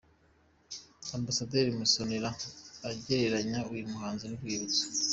Ambasaderi Masozera agereranya uyu muhanzi n’urwibutso.